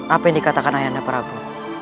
apa yang dikatakan ayah anda prabu